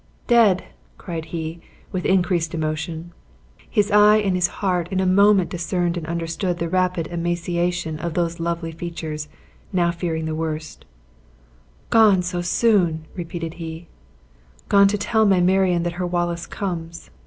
"Dead!" cried he, with increased emotion. His eye and his heart in a moment discerned and understood the rapid emaciation of those lovely features now fearing the worst; "Gone so soon!" repeated he, "gone to tell my Marion that her Wallace comes.